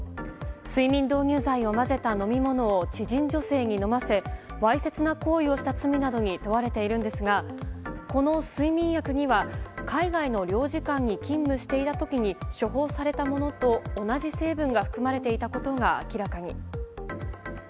睡眠導入剤を混ぜた飲み物を知人女性に飲ませわいせつな行為をした罪などに問われているんですがこの睡眠薬には海外の領事館に勤務していた時に処方されたものと同じ成分が含まれていたことが明らかに。